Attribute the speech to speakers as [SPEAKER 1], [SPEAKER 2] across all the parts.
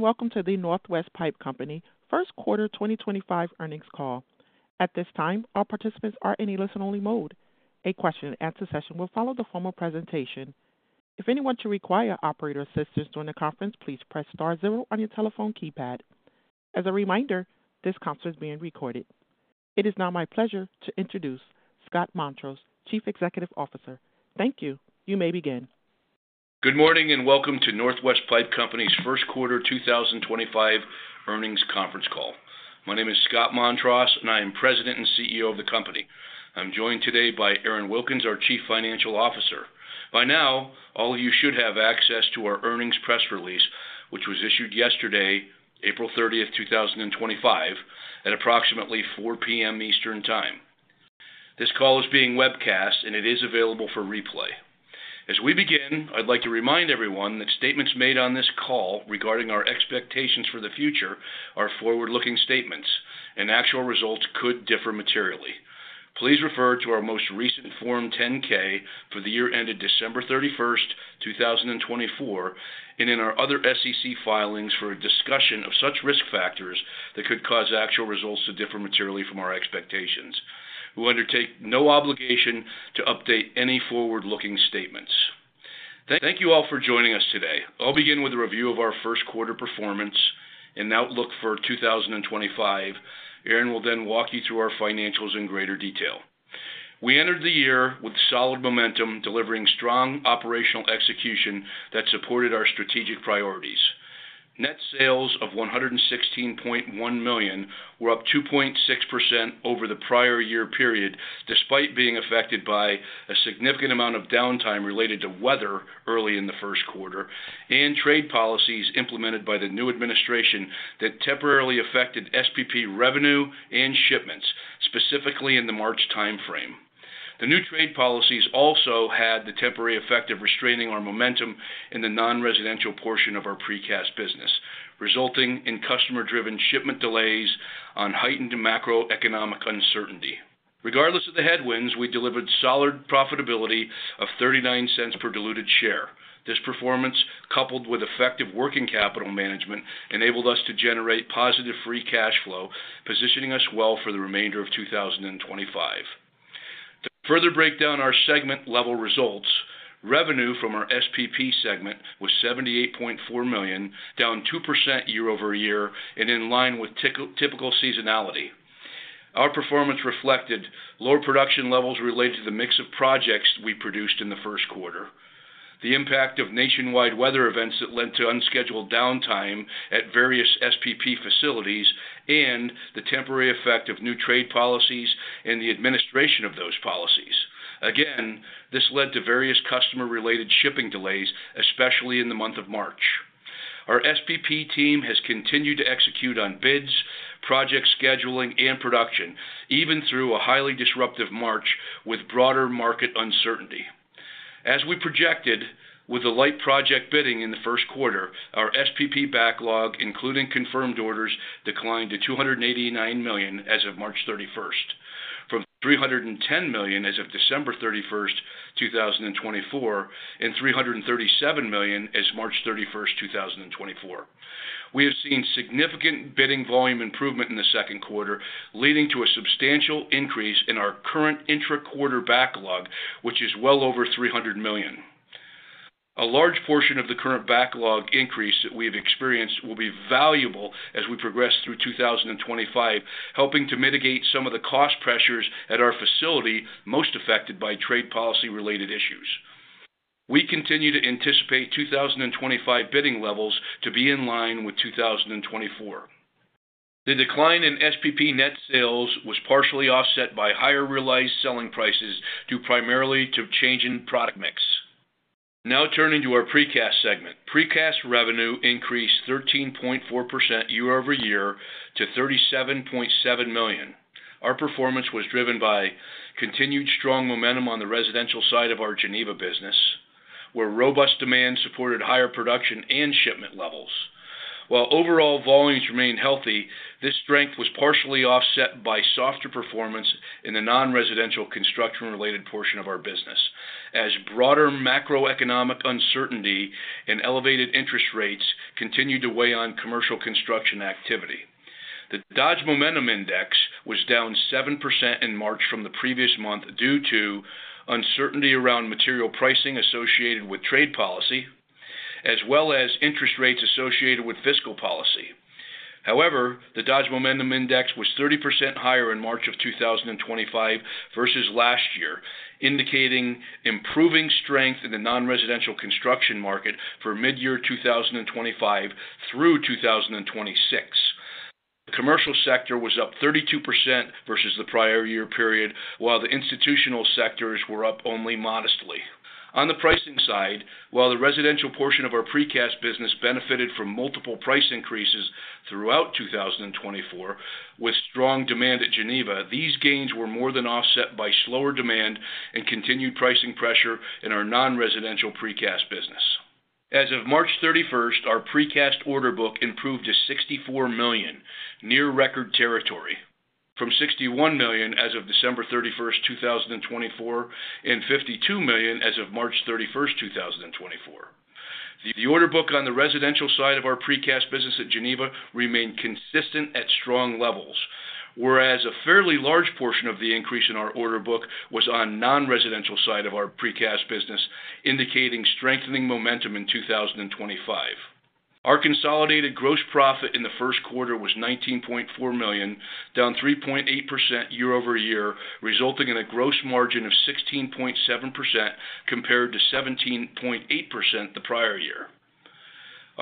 [SPEAKER 1] Welcome to the Northwest Pipe Company First Quarter 2025 Earnings Call. At this time, all participants are in a listen-only mode. A question-and-answer session will follow the formal presentation. If anyone should require operator assistance during the conference, please press star zero on your telephone keypad. As a reminder, this conference is being recorded. It is now my pleasure to introduce Scott Montross, Chief Executive Officer. Thank you. You may begin.
[SPEAKER 2] Good morning and welcome to Northwest Pipe Company's First Quarter 2025 Earnings Conference Call. My name is Scott Montross, and I am President and CEO of the company. I'm joined today by Aaron Wilkins, our Chief Financial Officer. By now, all of you should have access to our earnings press release, which was issued yesterday, April 30th, 2025, at approximately 4:00 P.M. Eastern Time. This call is being webcast, and it is available for replay. As we begin, I'd like to remind everyone that statements made on this call regarding our expectations for the future are forward-looking statements, and actual results could differ materially. Please refer to our most recent Form 10-K for the year ended December 31st, 2024, and in our other SEC filings for a discussion of such risk factors that could cause actual results to differ materially from our expectations. We undertake no obligation to update any forward-looking statements. Thank you all for joining us today. I'll begin with a review of our first quarter performance and outlook for 2025. Aaron will then walk you through our financials in greater detail. We entered the year with solid momentum, delivering strong operational execution that supported our strategic priorities. Net sales of $116.1 million were up 2.6% over the prior-year period, despite being affected by a significant amount of downtime related to weather early in the first quarter and trade policies implemented by the new administration that temporarily affected SPP revenue and shipments, specifically in the March timeframe. The new trade policies also had the temporary effect of restraining our momentum in the non-residential portion of our precast business, resulting in customer-driven shipment delays on heightened macroeconomic uncertainty. Regardless of the headwinds, we delivered solid profitability of $0.39 per diluted share. This performance, coupled with effective working capital management, enabled us to generate positive free cash flow, positioning us well for the remainder of 2025. To further break down our segment-level results, revenue from our SPP segment was $78.4 million, down 2% year-over-year, and in line with typical seasonality. Our performance reflected lower production levels related to the mix of projects we produced in the first quarter, the impact of nationwide weather events that led to unscheduled downtime at various SPP facilities, and the temporary effect of new trade policies and the administration of those policies. Again, this led to various customer-related shipping delays, especially in the month of March. Our SPP team has continued to execute on bids, project scheduling, and production, even through a highly disruptive March with broader market uncertainty. As we projected, with the light project bidding in the first quarter, our SPP backlog, including confirmed orders, declined to $289 million as of March 31st, from $310 million as of December 31st, 2024, and $337 million as of March 31st, 2024. We have seen significant bidding volume improvement in the second quarter, leading to a substantial increase in our current intra-quarter backlog, which is well over $300 million. A large portion of the current backlog increase that we've experienced will be valuable as we progress through 2025, helping to mitigate some of the cost pressures at our facility most affected by trade policy-related issues. We continue to anticipate 2025 bidding levels to be in line with 2024. The decline in SPP net sales was partially offset by higher realized selling prices due primarily to a change in product mix. Now turning to our precast segment, precast revenue increased 13.4% year-over-year to $37.7 million. Our performance was driven by continued strong momentum on the residential side of our Geneva business, where robust demand supported higher production and shipment levels. While overall volumes remained healthy, this strength was partially offset by softer performance in the non-residential construction-related portion of our business, as broader macroeconomic uncertainty and elevated interest rates continued to weigh on commercial construction activity. The Dodge Momentum Index was down 7% in March from the previous month due to uncertainty around material pricing associated with trade policy, as well as interest rates associated with fiscal policy. However, the Dodge Momentum Index was 30% higher in March of 2025 versus last year, indicating improving strength in the non-residential construction market for mid-year 2025 through 2026. The commercial sector was up 32% versus the prior-year period, while the institutional sectors were up only modestly. On the pricing side, while the residential portion of our precast business benefited from multiple price increases throughout 2024 with strong demand at Geneva, these gains were more than offset by slower demand and continued pricing pressure in our non-residential precast business. As of March 31st, our precast order book improved to $64 million, near record territory, from $61 million as of December 31st, 2024, and $52 million as of March 31st, 2024. The order book on the residential side of our precast business at Geneva remained consistent at strong levels, whereas a fairly large portion of the increase in our order book was on the non-residential side of our precast business, indicating strengthening momentum in 2025. Our consolidated gross profit in the first quarter was $19.4 million, down 3.8% year-over-year, resulting in a gross margin of 16.7% compared to 17.8% the prior year.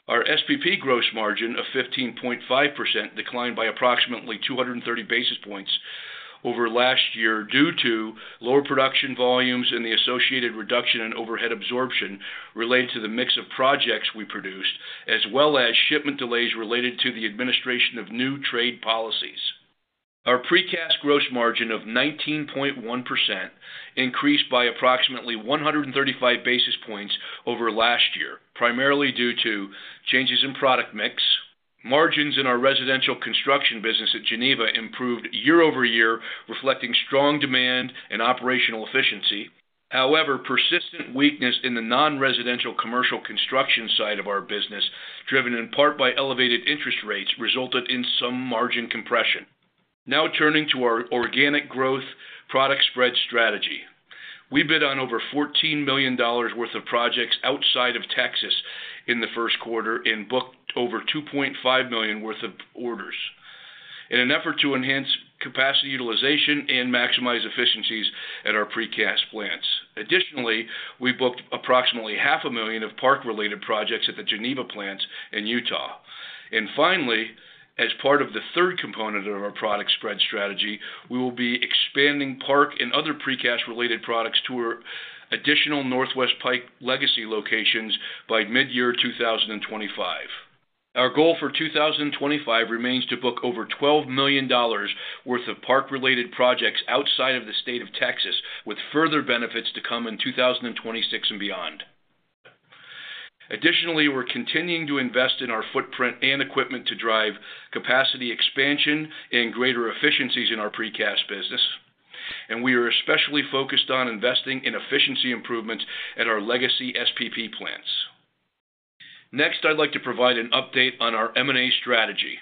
[SPEAKER 2] Our SPP gross margin of 15.5% declined by approximately 230 basis points over last year due to lower production volumes and the associated reduction in overhead absorption related to the mix of projects we produced, as well as shipment delays related to the administration of new trade policies. Our precast gross margin of 19.1% increased by approximately 135 basis points over last year, primarily due to changes in product mix. Margins in our residential construction business at Geneva improved year-over-year, reflecting strong demand and operational efficiency. However, persistent weakness in the non-residential commercial construction side of our business, driven in part by elevated interest rates, resulted in some margin compression. Now turning to our organic growth product spread strategy, we bid on over $14 million worth of projects outside of Texas in the first quarter and booked over $2.5 million worth of orders in an effort to enhance capacity utilization and maximize efficiencies at our precast plants. Additionally, we booked approximately $500,000 of Park-related projects at the Geneva plants in Utah. Finally, as part of the third component of our product spread strategy, we will be expanding Park and other precast-related products to additional Northwest Pipe legacy locations by mid-year 2025. Our goal for 2025 remains to book over $12 million worth of Park-related projects outside of the state of Texas, with further benefits to come in 2026 and beyond. Additionally, we're continuing to invest in our footprint and equipment to drive capacity expansion and greater efficiencies in our precast business, and we are especially focused on investing in efficiency improvements at our legacy SPP plants. Next, I'd like to provide an update on our M&A strategy.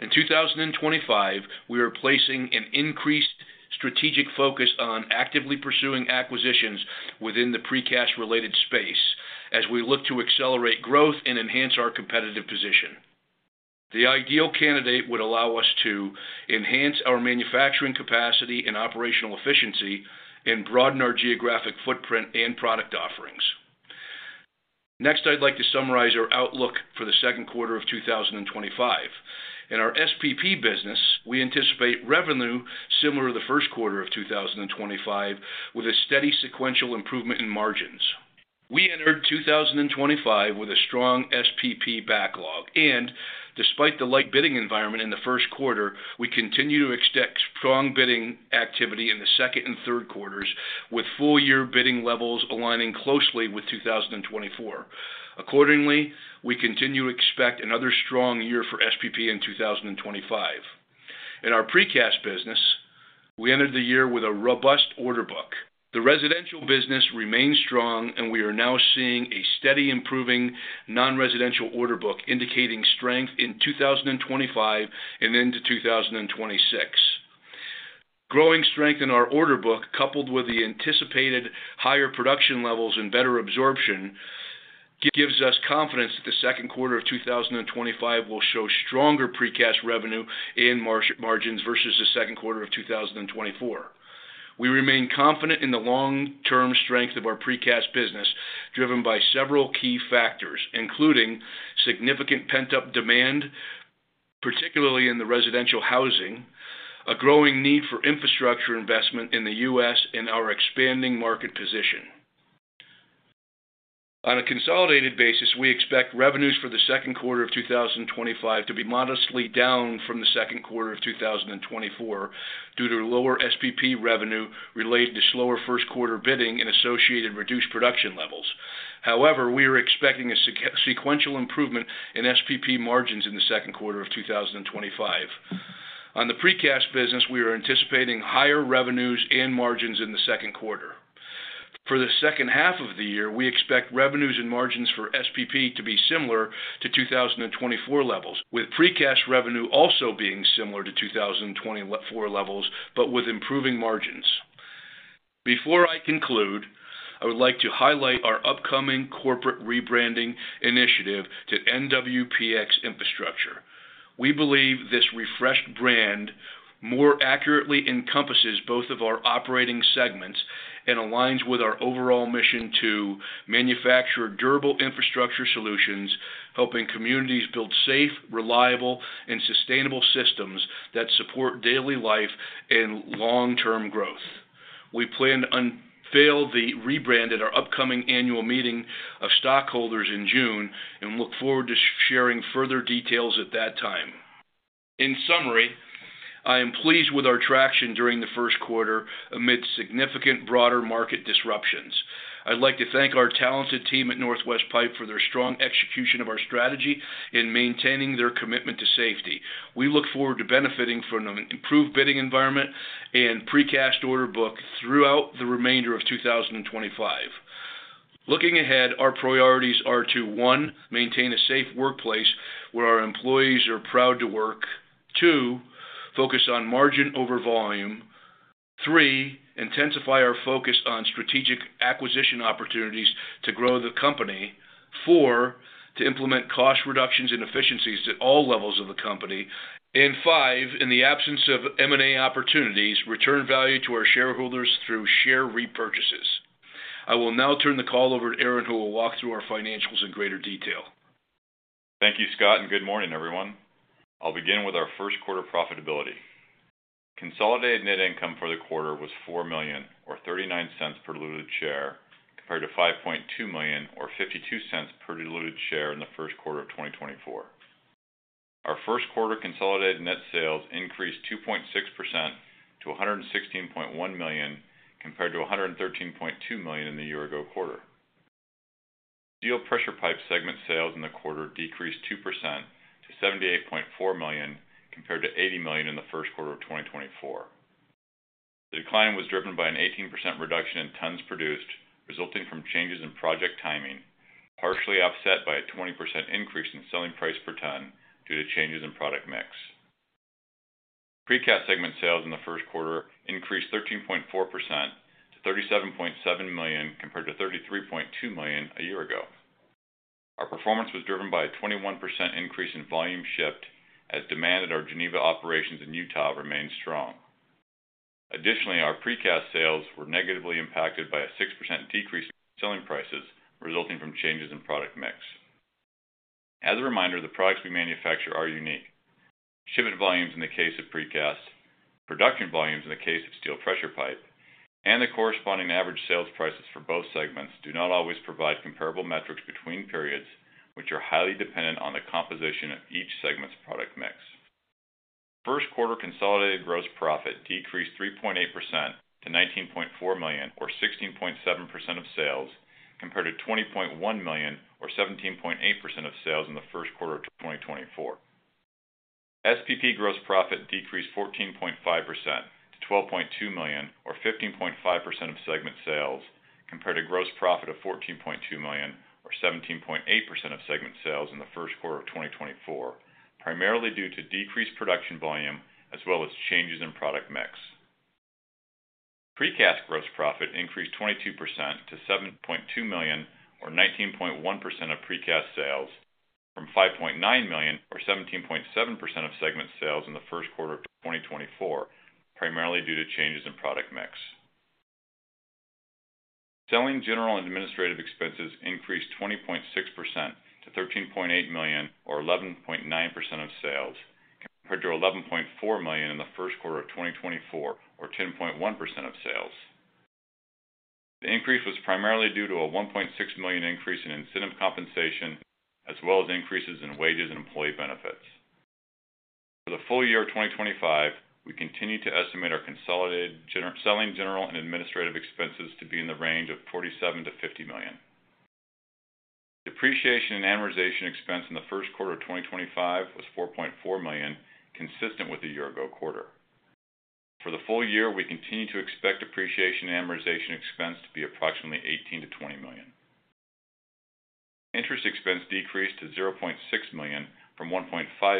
[SPEAKER 2] In 2025, we are placing an increased strategic focus on actively pursuing acquisitions within the precast-related space as we look to accelerate growth and enhance our competitive position. The ideal candidate would allow us to enhance our manufacturing capacity and operational efficiency and broaden our geographic footprint and product offerings. Next, I'd like to summarize our outlook for the second quarter of 2025. In our SPP business, we anticipate revenue similar to the first quarter of 2025, with a steady sequential improvement in margins. We entered 2025 with a strong SPP backlog, and despite the light bidding environment in the first quarter, we continue to expect strong bidding activity in the second and third quarters, with full-year bidding levels aligning closely with 2024. Accordingly, we continue to expect another strong year for SPP in 2025. In our precast business, we entered the year with a robust order book. The residential business remains strong, and we are now seeing a steady improving non-residential order book, indicating strength in 2025 and into 2026. Growing strength in our order book, coupled with the anticipated higher production levels and better absorption, gives us confidence that the second quarter of 2025 will show stronger precast revenue and margins versus the second quarter of 2024. We remain confident in the long-term strength of our precast business, driven by several key factors, including significant pent-up demand, particularly in the residential housing, a growing need for infrastructure investment in the U.S., and our expanding market position. On a consolidated basis, we expect revenues for the second quarter of 2025 to be modestly down from the second quarter of 2024 due to lower SPP revenue related to slower first-quarter bidding and associated reduced production levels. However, we are expecting a sequential improvement in SPP margins in the second quarter of 2025. On the precast business, we are anticipating higher revenues and margins in the second quarter. For the second half of the year, we expect revenues and margins for SPP to be similar to 2024 levels, with precast revenue also being similar to 2024 levels, but with improving margins. Before I conclude, I would like to highlight our upcoming corporate rebranding initiative to NWPX Infrastructure. We believe this refreshed brand more accurately encompasses both of our operating segments and aligns with our overall mission to manufacture durable infrastructure solutions, helping communities build safe, reliable, and sustainable systems that support daily life and long-term growth. We plan to unveil the rebrand at our upcoming Annual Meeting of Stockholders in June and look forward to sharing further details at that time. In summary, I am pleased with our traction during the first quarter amid significant broader market disruptions. I'd like to thank our talented team at Northwest Pipe for their strong execution of our strategy and maintaining their commitment to safety. We look forward to benefiting from an improved bidding environment and precast order book throughout the remainder of 2025. Looking ahead, our priorities are to: one, maintain a safe workplace where our employees are proud to work; two, focus on margin over volume; three, intensify our focus on strategic acquisition opportunities to grow the company; four, to implement cost reductions and efficiencies at all levels of the company; and five, in the absence of M&A opportunities, return value to our shareholders through share repurchases. I will now turn the call over to Aaron, who will walk through our financials in greater detail.
[SPEAKER 3] Thank you, Scott, and good morning, everyone. I'll begin with our first quarter profitability. Consolidated net income for the quarter was $4 million, or $0.39 per diluted share, compared to $5.2 million, or $0.52 per diluted share in the first quarter of 2024. Our first quarter consolidated net sales increased 2.6% to $116.1 million, compared to $113.2 million in the year-ago quarter. Steel pressure pipe segment sales in the quarter decreased 2% to $78.4 million, compared to $80 million in the first quarter of 2024. The decline was driven by an 18% reduction in tons produced, resulting from changes in project timing, partially offset by a 20% increase in selling price per ton due to changes in product mix. Precast segment sales in the first quarter increased 13.4% to $37.7 million, compared to $33.2 million a year ago. Our performance was driven by a 21% increase in volume shipped as demand at our Geneva operations in Utah remained strong. Additionally, our precast sales were negatively impacted by a 6% decrease in selling prices, resulting from changes in product mix. As a reminder, the products we manufacture are unique. Shipment volumes in the case of precast, production volumes in the case of steel pressure pipe, and the corresponding average sales prices for both segments do not always provide comparable metrics between periods, which are highly dependent on the composition of each segment's product mix. First quarter consolidated gross profit decreased 3.8% to $19.4 million, or 16.7% of sales, compared to $20.1 million, or 17.8% of sales in the first quarter of 2024. SPP gross profit decreased 14.5% to $12.2 million, or 15.5% of segment sales, compared to gross profit of $14.2 million, or 17.8% of segment sales in the first quarter of 2024, primarily due to decreased production volume as well as changes in product mix. Precast gross profit increased 22% to $7.2 million, or 19.1% of precast sales, from $5.9 million, or 17.7% of segment sales in the first quarter of 2024, primarily due to changes in product mix. Selling, general, and administrative expenses increased 20.6% to $13.8 million, or 11.9% of sales, compared to $11.4 million in the first quarter of 2024, or 10.1% of sales. The increase was primarily due to a $1.6 million increase in incentive compensation, as well as increases in wages and employee benefits. For the full year of 2025, we continue to estimate our consolidated selling, general, and administrative expenses to be in the range of $47 million-$50 million. Depreciation and amortization expense in the first quarter of 2025 was $4.4 million, consistent with the year-ago quarter. For the full year, we continue to expect depreciation and amortization expense to be approximately $18 million-$20 million. Interest expense decreased to $0.6 million, from $1.5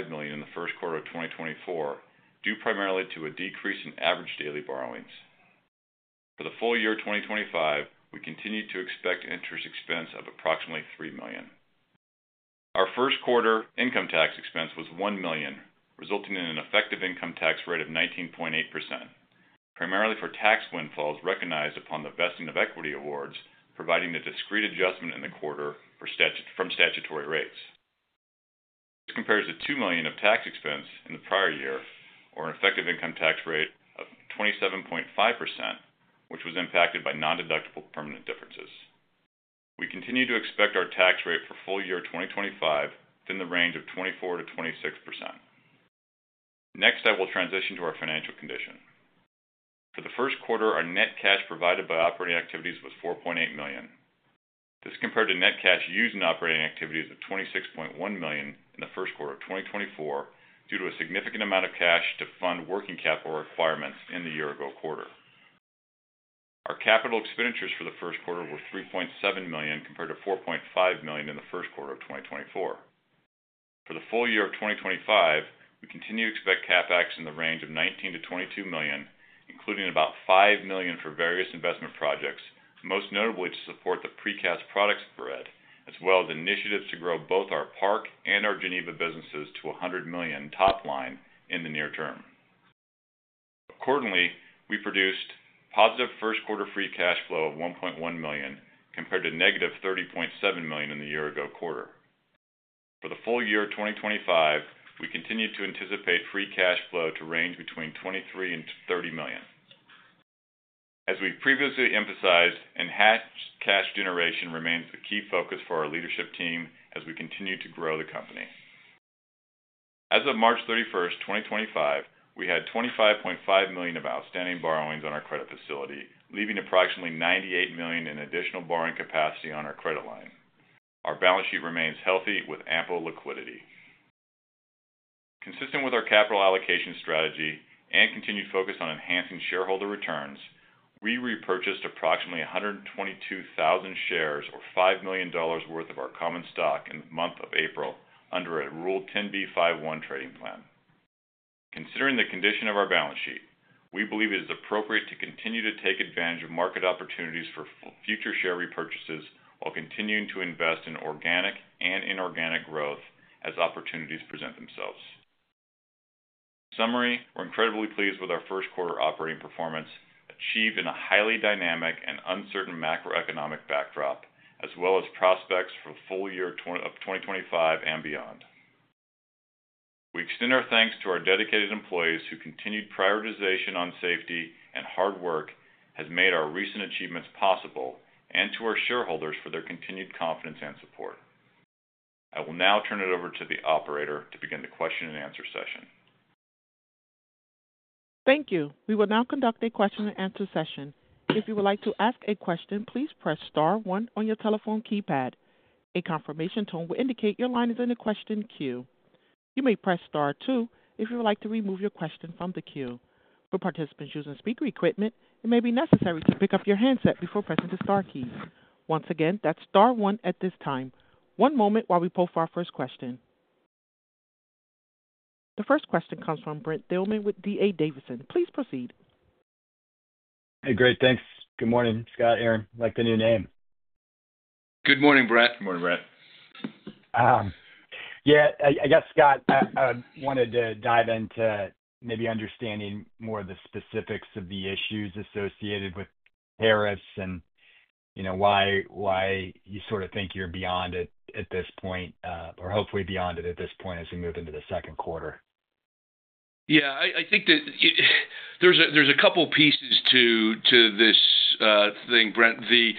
[SPEAKER 3] million in the first quarter of 2024, due primarily to a decrease in average daily borrowings. For the full year of 2025, we continue to expect interest expense of approximately $3 million. Our first quarter income tax expense was $1 million, resulting in an effective income tax rate of 19.8%, primarily for tax windfalls recognized upon the vesting of equity awards, providing a discrete adjustment in the quarter from statutory rates. This compares to $2 million of tax expense in the prior year, or an effective income tax rate of 27.5%, which was impacted by non-deductible permanent differences. We continue to expect our tax rate for full year 2025 within the range of 24%-26%. Next, I will transition to our financial condition. For the first quarter, our net cash provided by operating activities was $4.8 million. This compared to net cash used in operating activities of $26.1 million in the first quarter of 2024, due to a significant amount of cash to fund working capital requirements in the year-ago quarter. Our capital expenditures for the first quarter were $3.7 million, compared to $4.5 million in the first quarter of 2023. For the full year of 2024, we continue to expect CapEx in the range of $19 million-$22 million, including about $5 million for various investment projects, most notably to support the precast products spread, as well as initiatives to grow both our Park and our Geneva businesses to $100 million top line in the near term. Accordingly, we produced positive first-quarter free cash flow of $1.1 million, compared to negative $30.7 million in the year-ago quarter. For the full year of 2025, we continue to anticipate free cash flow to range between $23 million and $30 million. As we've previously emphasized, enhanced cash generation remains the key focus for our leadership team as we continue to grow the company. As of March 31st, 2025, we had $25.5 million of outstanding borrowings on our credit facility, leaving approximately $98 million in additional borrowing capacity on our credit line. Our balance sheet remains healthy with ample liquidity. Consistent with our capital allocation strategy and continued focus on enhancing shareholder returns, we repurchased approximately 122,000 shares, or $5 million worth of our common stock in the month of April under a Rule 10b5-1 trading plan. Considering the condition of our balance sheet, we believe it is appropriate to continue to take advantage of market opportunities for future share repurchases while continuing to invest in organic and inorganic growth as opportunities present themselves. In summary, we're incredibly pleased with our first quarter operating performance achieved in a highly dynamic and uncertain macroeconomic backdrop, as well as prospects for the full year of 2025 and beyond. We extend our thanks to our dedicated employees whose continued prioritization on safety and hard work has made our recent achievements possible, and to our shareholders for their continued confidence and support. I will now turn it over to the operator to begin the question-and-answer session.
[SPEAKER 1] Thank you. We will now conduct a question-and-answer session. If you would like to ask a question, please press star, one on your telephone keypad. A confirmation tone will indicate your line is in the question queue. You may press star, two if you would like to remove your question from the queue. For participants using speaker equipment, it may be necessary to pick up your handset before pressing the star key. Once again, that's star, one at this time. One moment while we pull for our first question. The first question comes from Brent Thielman with D.A. Davidson. Please proceed.
[SPEAKER 4] Hey, great. Thanks. Good morning, Scott, Aaron. I like the new name.
[SPEAKER 2] Good morning, Brent.
[SPEAKER 3] Good morning, Brent.
[SPEAKER 4] Yeah, I guess, Scott, I wanted to dive into maybe understanding more of the specifics of the issues associated with tariffs and why you sort of think you're beyond it at this point, or hopefully beyond it at this point as we move into the second quarter.
[SPEAKER 2] Yeah, I think that there's a couple of pieces to this thing, Brent. The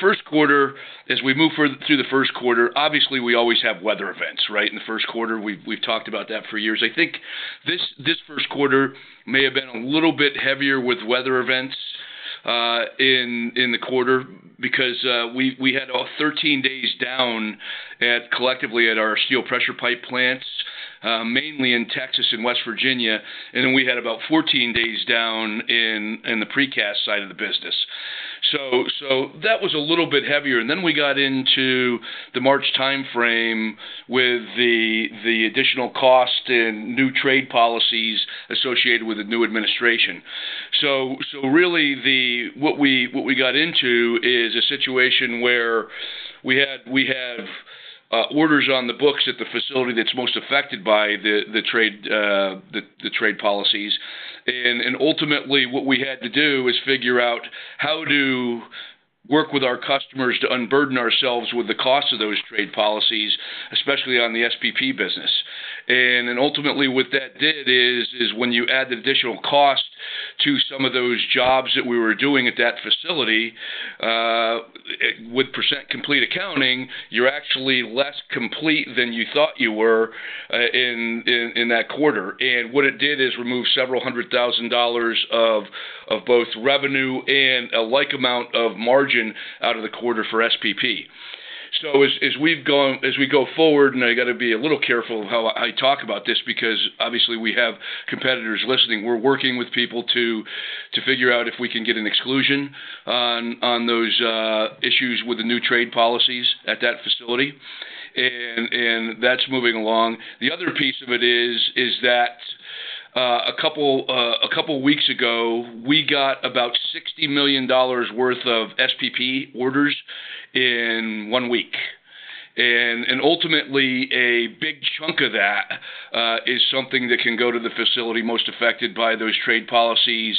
[SPEAKER 2] first quarter, as we move through the first quarter, obviously, we always have weather events, right? In the first quarter, we've talked about that for years. I think this first quarter may have been a little bit heavier with weather events in the quarter because we had 13 days down collectively at our steel pressure pipe plants, mainly in Texas and West Virginia, and then we had about 14 days down in the precast side of the business. That was a little bit heavier. We got into the March timeframe with the additional cost and new trade policies associated with the new administration. Really, what we got into is a situation where we have orders on the books at the facility that's most affected by the trade policies. Ultimately, what we had to do is figure out how to work with our customers to unburden ourselves with the cost of those trade policies, especially on the SPP business. Ultimately, what that did is when you add the additional cost to some of those jobs that we were doing at that facility with percent complete accounting, you're actually less complete than you thought you were in that quarter. What it did is remove several hundred thousand dollars of both revenue and a like amount of margin out of the quarter for SPP. As we go forward, and I got to be a little careful of how I talk about this because obviously, we have competitors listening. We're working with people to figure out if we can get an exclusion on those issues with the new trade policies at that facility. That's moving along. The other piece of it is that a couple of weeks ago, we got about $60 million worth of SPP orders in one week. Ultimately, a big chunk of that is something that can go to the facility most affected by those trade policies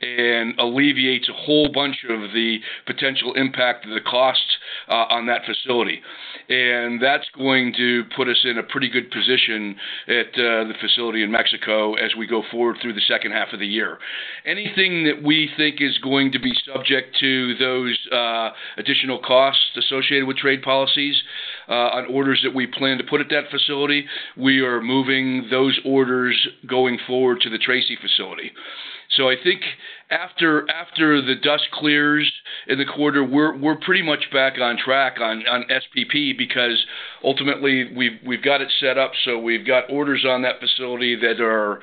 [SPEAKER 2] and alleviates a whole bunch of the potential impact of the cost on that facility. That is going to put us in a pretty good position at the facility in Mexico as we go forward through the second half of the year. Anything that we think is going to be subject to those additional costs associated with trade policies on orders that we plan to put at that facility, we are moving those orders going forward to the Tracy facility. I think after the dust clears in the quarter, we're pretty much back on track on SPP because ultimately, we've got it set up. We've got orders on that facility that are,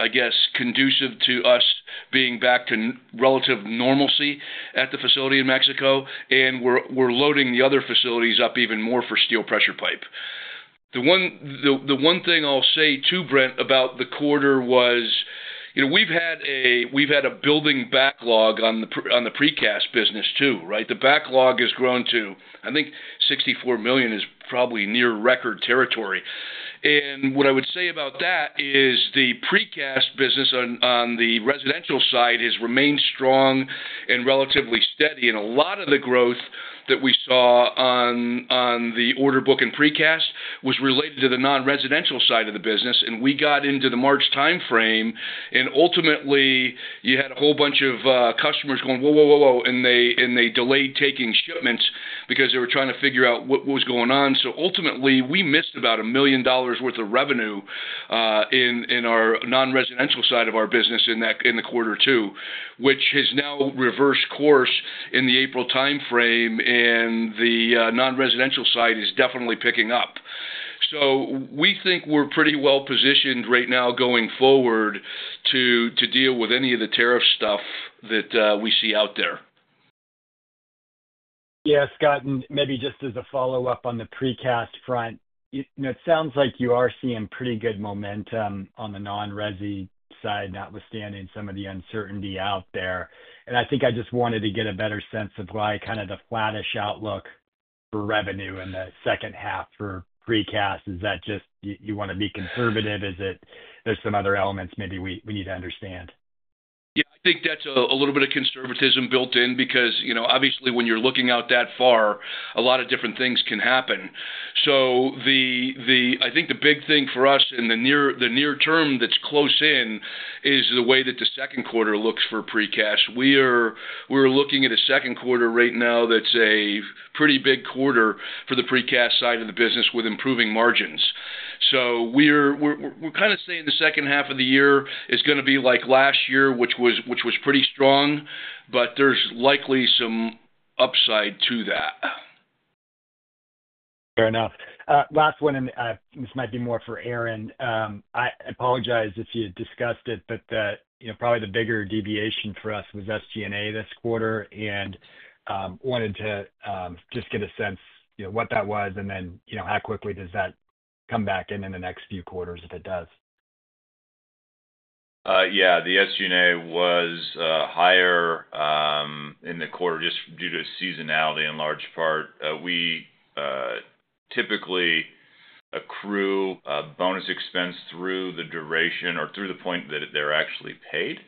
[SPEAKER 2] I guess, conducive to us being back to relative normalcy at the facility in Mexico. We're loading the other facilities up even more for steel pressure pipe. The one thing I'll say too, Brent, about the quarter was we've had a building backlog on the precast business too, right? The backlog has grown to, I think, $64 million is probably near record territory. What I would say about that is the precast business on the residential side has remained strong and relatively steady. A lot of the growth that we saw on the order book and precast was related to the non-residential side of the business. We got into the March timeframe, and ultimately, you had a whole bunch of customers going, "Whoa, whoa, whoa, whoa," and they delayed taking shipments because they were trying to figure out what was going on. Ultimately, we missed about $1 million worth of revenue in our non-residential side of our business in quarter two, which has now reversed course in the April timeframe. The non-residential side is definitely picking up. We think we are pretty well positioned right now going forward to deal with any of the tariff stuff that we see out there.
[SPEAKER 4] Yeah, Scott, and maybe just as a follow-up on the precast front, it sounds like you are seeing pretty good momentum on the non-resi side, notwithstanding some of the uncertainty out there. I think I just wanted to get a better sense of why kind of the flattish outlook for revenue in the second half for precast. Is that just you want to be conservative? Is it there's some other elements maybe we need to understand?
[SPEAKER 2] Yeah, I think that's a little bit of conservatism built in because obviously, when you're looking out that far, a lot of different things can happen. I think the big thing for us in the near term that's close in is the way that the second quarter looks for precast. We are looking at a second quarter right now that's a pretty big quarter for the precast side of the business with improving margins. We're kind of saying the second half of the year is going to be like last year, which was pretty strong, but there's likely some upside to that.
[SPEAKER 4] Fair enough. Last one, and this might be more for Aaron. I apologize if you discussed it, but probably the bigger deviation for us was SG&A this quarter and wanted to just get a sense of what that was and then how quickly does that come back in in the next few quarters if it does.
[SPEAKER 3] Yeah, the SG&A was higher in the quarter just due to seasonality in large part. We typically accrue bonus expense through the duration or through the point that they're actually paid,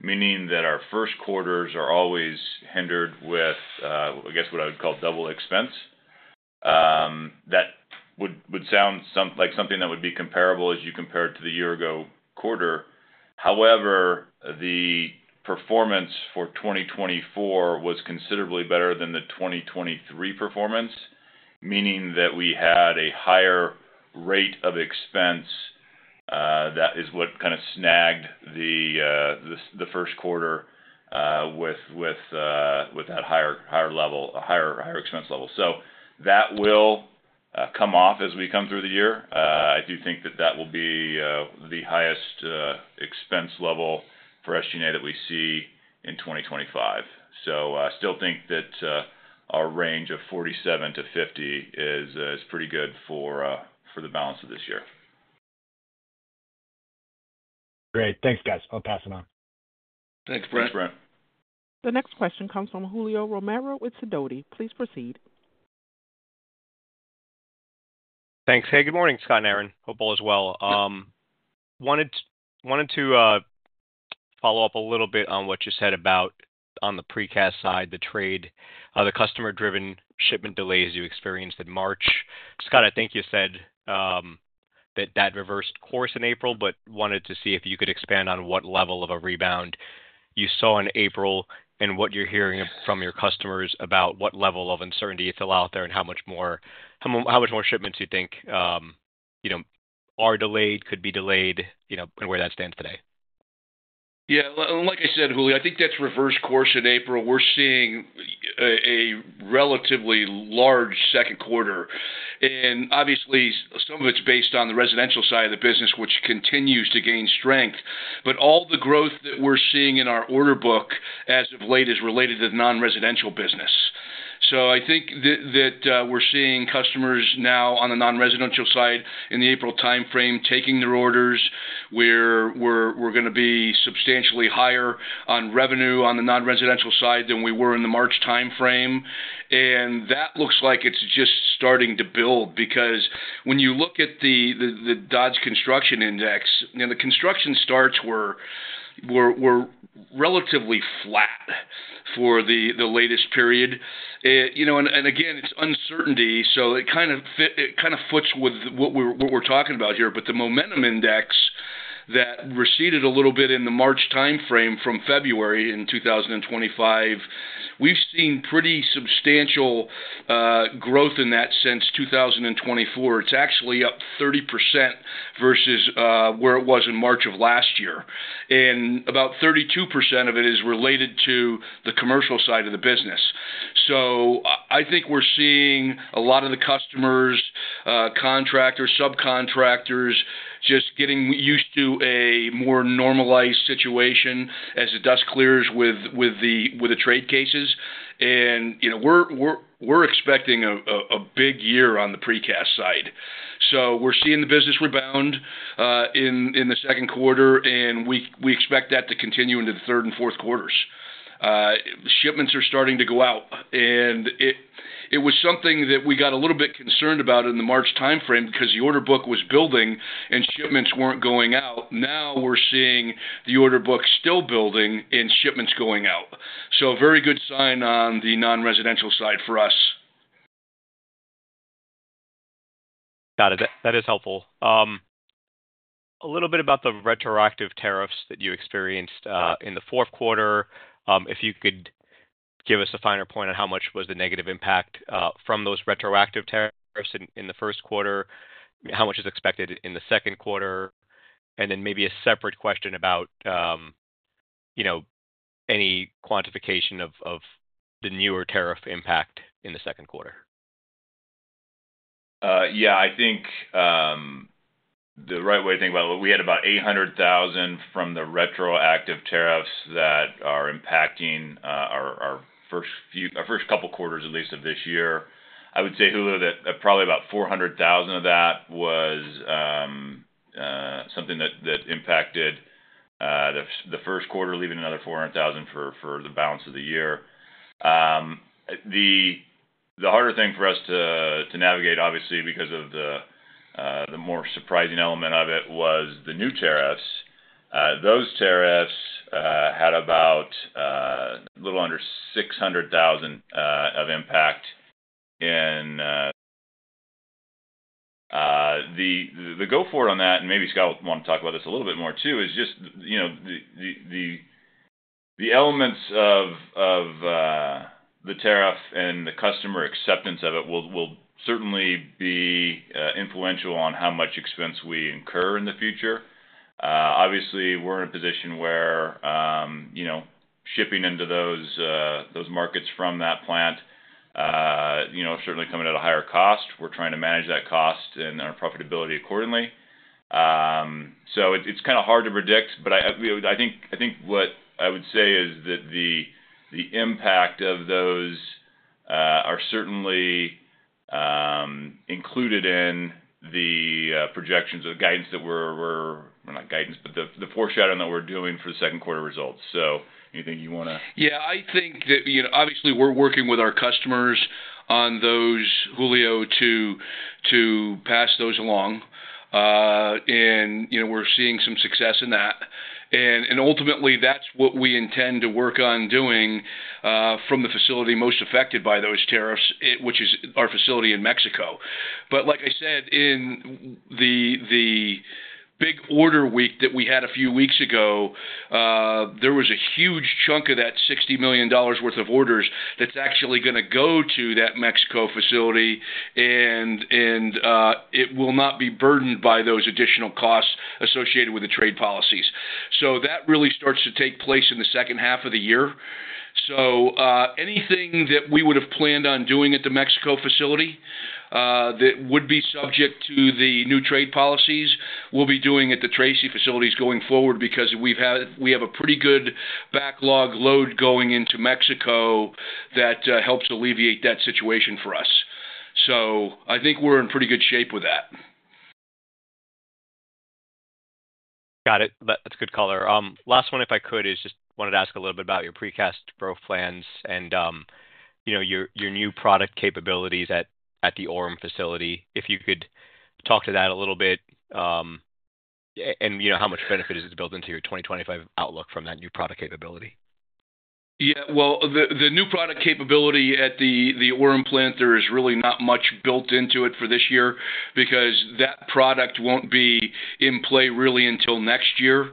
[SPEAKER 3] meaning that our first quarters are always hindered with, I guess, what I would call double expense. That would sound like something that would be comparable as you compare it to the year-ago quarter. However, the performance for 2024 was considerably better than the 2023 performance, meaning that we had a higher rate of expense that is what kind of snagged the first quarter with that higher expense level. That will come off as we come through the year. I do think that that will be the highest expense level for SG&A that we see in 2025. I still think that our range of $47 million-$50 million is pretty good for the balance of this year.
[SPEAKER 4] Great. Thanks, guys. I'll pass it on.
[SPEAKER 3] Thanks, Brent.
[SPEAKER 1] The next question comes from Julio Romero with Sidoti. Please proceed.
[SPEAKER 5] Thanks. Hey, good morning, Scott and Aaron. Hope all is well. Wanted to follow up a little bit on what you said about on the precast side, the trade, the customer-driven shipment delays you experienced in March. Scott, I think you said that that reversed course in April, but wanted to see if you could expand on what level of a rebound you saw in April and what you're hearing from your customers about what level of uncertainty it's all out there and how much more shipments you think are delayed, could be delayed, and where that stands today.
[SPEAKER 2] Yeah. Like I said, Julio, I think that's reversed course in April. We're seeing a relatively large second quarter. Obviously, some of it's based on the residential side of the business, which continues to gain strength. All the growth that we're seeing in our order book as of late is related to the non-residential business. I think that we're seeing customers now on the non-residential side in the April timeframe taking their orders. We're going to be substantially higher on revenue on the non-residential side than we were in the March timeframe. That looks like it's just starting to build because when you look at the Dodge Construction Index, the construction starts were relatively flat for the latest period. Again, it's uncertainty. It kind of fits with what we're talking about here. The Momentum Index that receded a little bit in the March timeframe from February in 2025, we've seen pretty substantial growth in that since 2024. It's actually up 30% versus where it was in March of last year. About 32% of it is related to the commercial side of the business. I think we're seeing a lot of the customers, contractors, subcontractors just getting used to a more normalized situation as the dust clears with the trade cases. We are expecting a big year on the precast side. We are seeing the business rebound in the second quarter, and we expect that to continue into the third and fourth quarters. Shipments are starting to go out. It was something that we got a little bit concerned about in the March timeframe because the order book was building and shipments were not going out. Now we are seeing the order book still building and shipments going out. A very good sign on the non-residential side for us.
[SPEAKER 5] Got it. That is helpful. A little bit about the retroactive tariffs that you experienced in the fourth quarter. If you could give us a finer point on how much was the negative impact from those retroactive tariffs in the first quarter, how much is expected in the second quarter, and then maybe a separate question about any quantification of the newer tariff impact in the second quarter.
[SPEAKER 3] Yeah, I think the right way to think about it, we had about $800,000 from the retroactive tariffs that are impacting our first couple of quarters, at least, of this year. I would say, Julio, that probably about $400,000 of that was something that impacted the first quarter, leaving another $400,000 for the balance of the year. The harder thing for us to navigate, obviously, because of the more surprising element of it, was the new tariffs. Those tariffs had about a little under $600,000 of impact. The go-forward on that, and maybe Scott will want to talk about this a little bit more too, is just the elements of the tariff and the customer acceptance of it will certainly be influential on how much expense we incur in the future. Obviously, we're in a position where shipping into those markets from that plant is certainly coming at a higher cost. We're trying to manage that cost and our profitability accordingly. It's kind of hard to predict, but I think what I would say is that the impact of those are certainly included in the projections of guidance that we're not guidance, but the foreshadowing that we're doing for the second quarter results. Anything you want to?
[SPEAKER 2] Yeah, I think that obviously, we're working with our customers on those, Julio, to pass those along. We're seeing some success in that. Ultimately, that's what we intend to work on doing from the facility most affected by those tariffs, which is our facility in Mexico. Like I said, in the big order week that we had a few weeks ago, there was a huge chunk of that $60 million worth of orders that's actually going to go to that Mexico facility, and it will not be burdened by those additional costs associated with the trade policies. That really starts to take place in the second half of the year. Anything that we would have planned on doing at the Mexico facility that would be subject to the new trade policies, we'll be doing at the Tracy facilities going forward because we have a pretty good backlog load going into Mexico that helps alleviate that situation for us. I think we're in pretty good shape with that.
[SPEAKER 5] Got it. That's good color. Last one, if I could, is just wanted to ask a little bit about your precast growth plans and your new product capabilities at the Orem facility, if you could talk to that a little bit. And how much benefit is it built into your 2025 outlook from that new product capability?
[SPEAKER 2] Yeah. The new product capability at the Orem plant, there is really not much built into it for this year because that product won't be in play really until next year.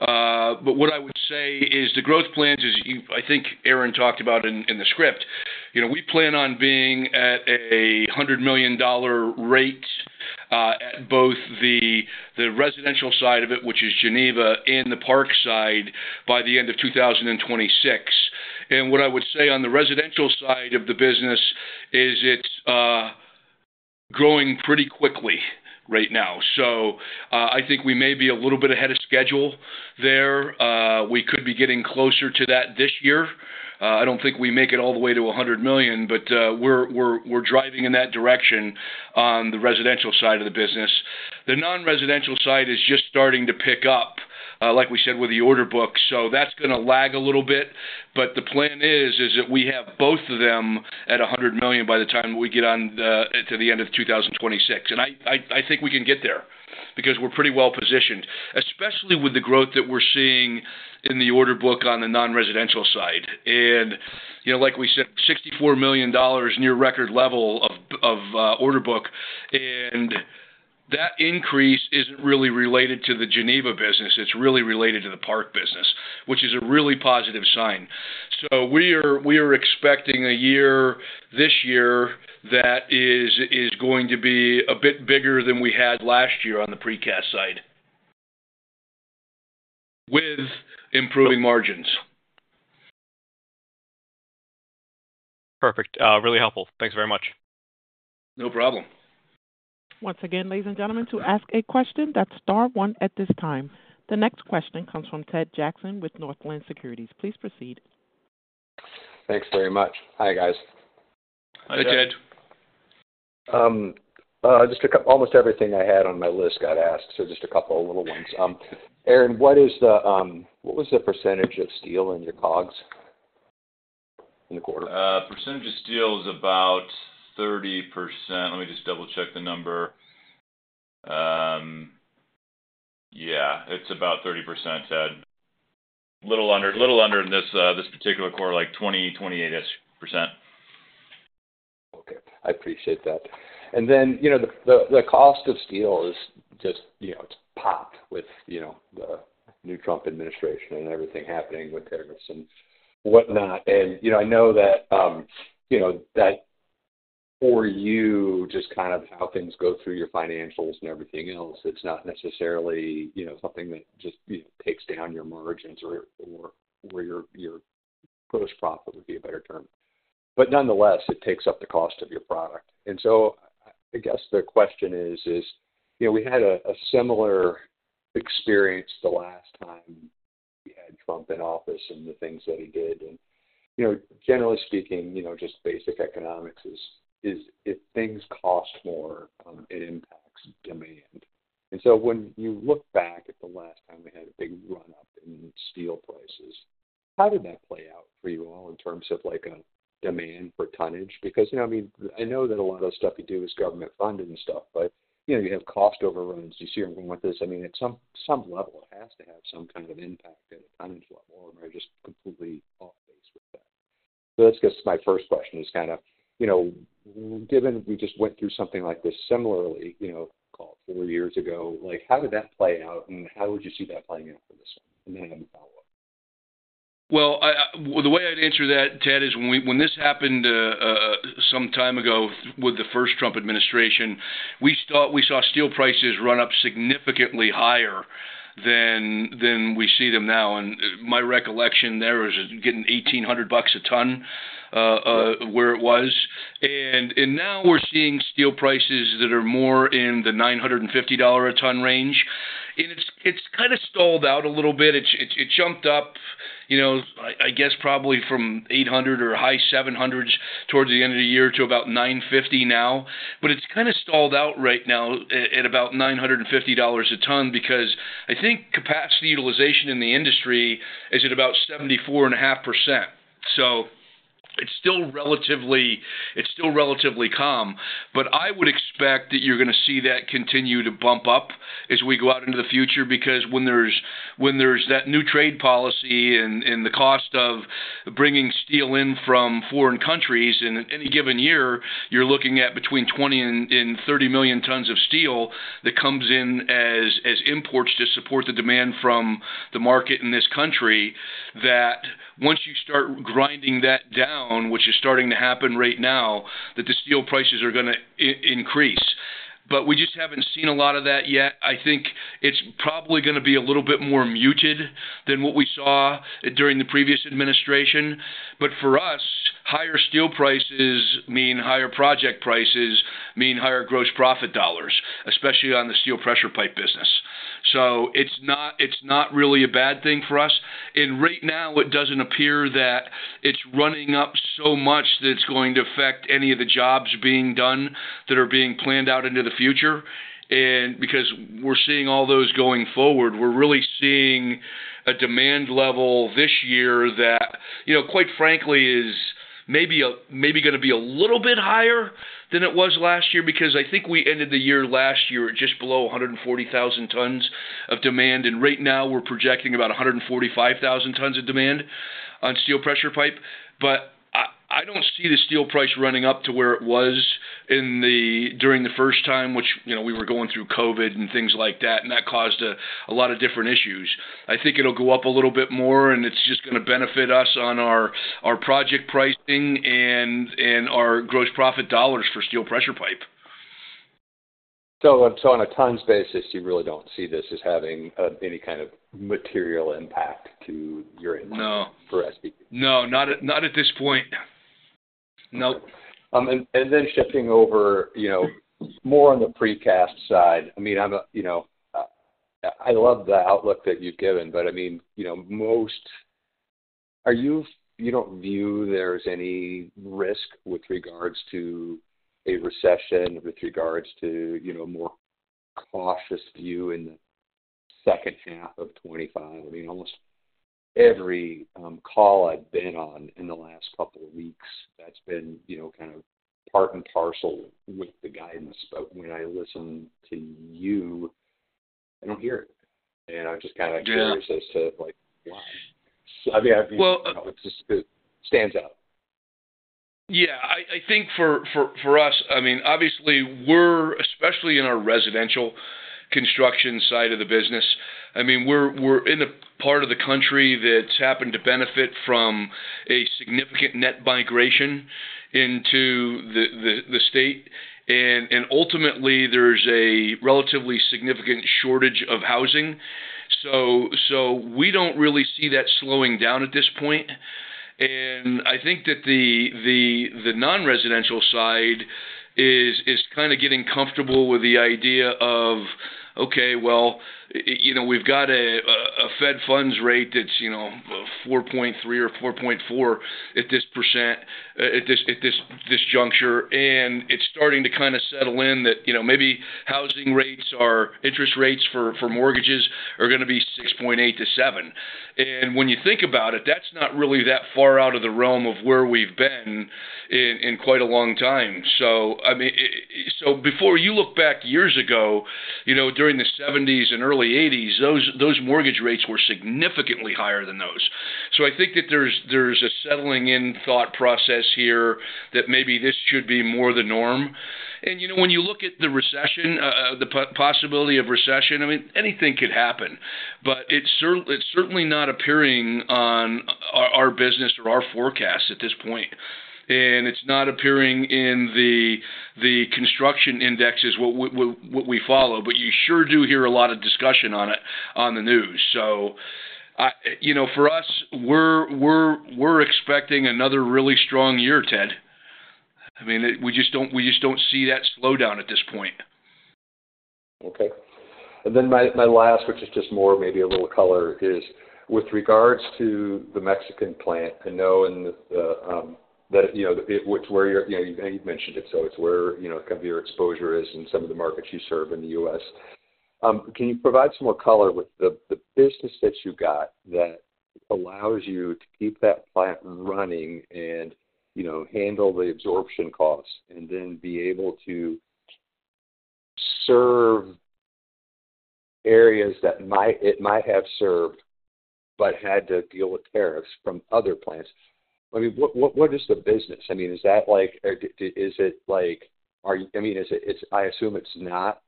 [SPEAKER 2] What I would say is the growth plans is, I think Aaron talked about in the script, we plan on being at a $100 million rate at both the residential side of it, which is Geneva, and the Park side by the end of 2026. What I would say on the residential side of the business is it's growing pretty quickly right now. I think we may be a little bit ahead of schedule there. We could be getting closer to that this year. I don't think we make it all the way to $100 million, but we're driving in that direction on the residential side of the business. The non-residential side is just starting to pick up, like we said, with the order book. That's going to lag a little bit. The plan is that we have both of them at $100 million by the time we get to the end of 2026. I think we can get there because we're pretty well positioned, especially with the growth that we're seeing in the order book on the non-residential side. Like we said, $64 million near record level of order book. That increase isn't really related to the Geneva business. It's really related to the Park business, which is a really positive sign. We are expecting a year this year that is going to be a bit bigger than we had last year on the precast side with improving margins.
[SPEAKER 5] Perfect. Really helpful. Thanks very much.
[SPEAKER 2] No problem.
[SPEAKER 1] Once again, ladies and gentlemen, to ask a question, that's star one at this time. The next question comes from Ted Jackson with Northland Securities. Please proceed.
[SPEAKER 6] Thanks very much. Hi, guys.
[SPEAKER 2] Hi, Ted.
[SPEAKER 6] Just almost everything I had on my list got asked, so just a couple of little ones. Aaron, what was the percentage of steel in your cogs in the quarter?
[SPEAKER 3] Percentage of steel is about 30%. Let me just double-check the number. Yeah, it's about 30%, Ted. A little under in this particular quarter, like 20%, 28-ish %.
[SPEAKER 6] Okay. I appreciate that. The cost of steel is just, it's popped with the new Trump administration and everything happening with tariffs and whatnot. I know that for you, just kind of how things go through your financials and everything else, it's not necessarily something that just takes down your margins or your gross profit, would be a better term. Nonetheless, it takes up the cost of your product. I guess the question is, we had a similar experience the last time we had Trump in office and the things that he did. Generally speaking, just basic economics is if things cost more, it impacts demand. When you look back at the last time we had a big run-up in steel prices, how did that play out for you all in terms of demand for tonnage? I mean, I know that a lot of the stuff you do is government-funded and stuff, but you have cost overruns. You see everything with this. I mean, at some level, it has to have some kind of impact at a tonnage level, or am I just completely off base with that? That is just my first question, kind of, given we just went through something like this similarly four years ago, how did that play out, and how would you see that playing out for this one? Then I have a follow-up.
[SPEAKER 2] The way I'd answer that, Ted, is when this happened some time ago with the first Trump administration, we saw steel prices run up significantly higher than we see them now. My recollection there is getting $1,800 a ton where it was. Now we're seeing steel prices that are more in the $950 a ton range. It's kind of stalled out a little bit. It jumped up, I guess, probably from $800 or high $700s towards the end of the year to about $950 now. It's kind of stalled out right now at about $950 a ton because I think capacity utilization in the industry is at about 74.5%. It's still relatively calm. I would expect that you're going to see that continue to bump up as we go out into the future because when there's that new trade policy and the cost of bringing steel in from foreign countries, in any given year, you're looking at between 20 million and 30 million tons of steel that comes in as imports to support the demand from the market in this country, that once you start grinding that down, which is starting to happen right now, the steel prices are going to increase. We just haven't seen a lot of that yet. I think it's probably going to be a little bit more muted than what we saw during the previous administration. For us, higher steel prices mean higher project prices, mean higher gross profit dollars, especially on the steel pressure pipe business. It is not really a bad thing for us. Right now, it does not appear that it is running up so much that it is going to affect any of the jobs being done that are being planned out into the future. Because we are seeing all those going forward, we are really seeing a demand level this year that, quite frankly, is maybe going to be a little bit higher than it was last year because I think we ended the year last year at just below 140,000 tons of demand. Right now, we are projecting about 145,000 tons of demand on steel pressure pipe. I do not see the steel price running up to where it was during the first time, which we were going through COVID and things like that, and that caused a lot of different issues. I think it'll go up a little bit more, and it's just going to benefit us on our project pricing and our gross profit dollars for steel pressure pipe.
[SPEAKER 6] On a tons basis, you really don't see this as having any kind of material impact to your income for SPP?
[SPEAKER 2] No. No, not at this point. Nope.
[SPEAKER 6] Shifting over more on the precast side, I mean, I love the outlook that you've given, but I mean, most, you don't view there's any risk with regards to a recession, with regards to a more cautious view in the second half of 2025. I mean, almost every call I've been on in the last couple of weeks, that's been kind of part and parcel with the guidance. When I listen to you, I don't hear it. I'm just kind of curious as to why. I mean, it stands out.
[SPEAKER 2] Yeah. I think for us, I mean, obviously, we're especially in our residential construction side of the business. I mean, we're in a part of the country that's happened to benefit from a significant net migration into the state. Ultimately, there's a relatively significant shortage of housing. We don't really see that slowing down at this point. I think that the non-residential side is kind of getting comfortable with the idea of, okay, we've got a Fed funds rate that's 4.3% or 4.4% at this juncture. It's starting to kind of settle in that maybe housing rates or interest rates for mortgages are going to be 6.8%-7%. When you think about it, that's not really that far out of the realm of where we've been in quite a long time. Before you look back years ago, during the 1970s and early 1980s, those mortgage rates were significantly higher than those. I think that there's a settling-in thought process here that maybe this should be more the norm. When you look at the recession, the possibility of recession, I mean, anything could happen. It is certainly not appearing on our business or our forecast at this point. It is not appearing in the construction indexes that we follow. You sure do hear a lot of discussion on it on the news. For us, we're expecting another really strong year, Ted. I mean, we just don't see that slowdown at this point.
[SPEAKER 6] Okay. My last, which is just more maybe a little color, is with regards to the Mexican plant. I know in that it's where you're now, you've mentioned it. It's where kind of your exposure is in some of the markets you serve in the U.S.. Can you provide some more color with the business that you got that allows you to keep that plant running and handle the absorption costs and then be able to serve areas that it might have served but had to deal with tariffs from other plants? I mean, what is the business? I mean, is that like is it like I mean, I assume it's not.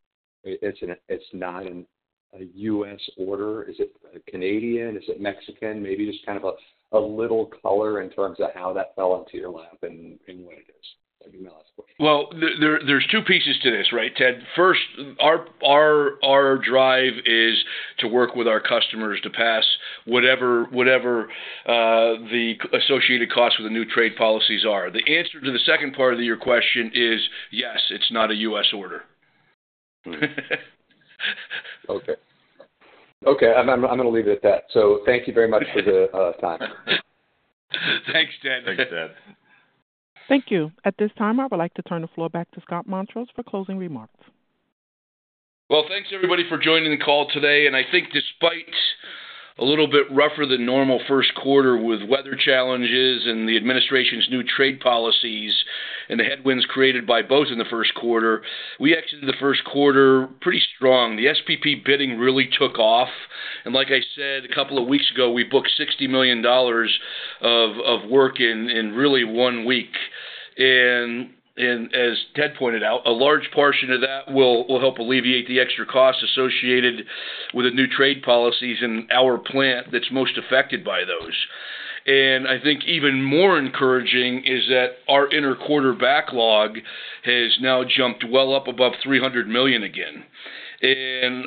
[SPEAKER 6] It's not a U.S. order. Is it Canadian? Is it Mexican? Maybe just kind of a little color in terms of how that fell into your lap and what it is. That'd be my last question.
[SPEAKER 2] There are two pieces to this, right, Ted. First, our drive is to work with our customers to pass whatever the associated costs with the new trade policies are. The answer to the second part of your question is, yes, it's not a U.S. order.
[SPEAKER 6] Okay. Okay. I'm going to leave it at that. So thank you very much for the time.
[SPEAKER 2] Thanks, Ted.
[SPEAKER 3] Thanks, Ted.
[SPEAKER 1] Thank you. At this time, I would like to turn the floor back to Scott Montross for closing remarks.
[SPEAKER 2] Thanks, everybody, for joining the call today. I think despite a little bit rougher than normal first quarter with weather challenges and the administration's new trade policies and the headwinds created by both in the first quarter, we exited the first quarter pretty strong. The SPP bidding really took off. Like I said, a couple of weeks ago, we booked $60 million of work in really one week. As Ted pointed out, a large portion of that will help alleviate the extra costs associated with the new trade policies in our plant that's most affected by those. I think even more encouraging is that our interquarter backlog has now jumped well up above $300 million again.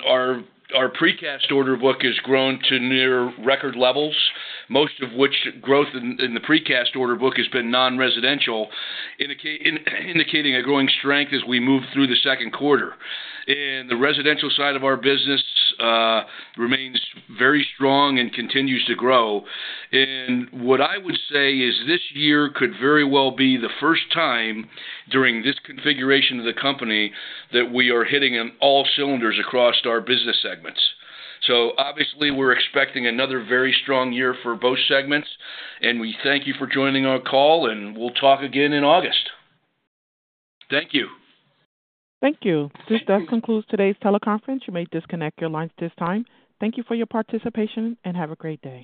[SPEAKER 2] Our precast order book has grown to near record levels, most of which growth in the precast order book has been non-residential, indicating a growing strength as we move through the second quarter. The residential side of our business remains very strong and continues to grow. What I would say is this year could very well be the first time during this configuration of the company that we are hitting all cylinders across our business segments. Obviously, we're expecting another very strong year for both segments. We thank you for joining our call, and we'll talk again in August. Thank you.
[SPEAKER 1] Thank you. This does conclude today's teleconference. You may disconnect your lines at this time. Thank you for your participation and have a great day.